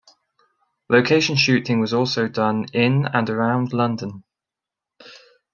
Location shooting was also done in and around London.